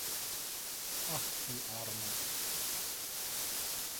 Ach, du armer!